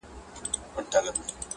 دا کیسه موږ ته را پاته له پېړیو٫